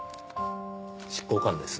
執行官です。